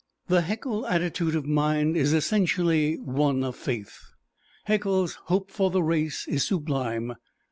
The Haeckel attitude of mind is essentially one of faith Haeckel's hope for the race is sublime.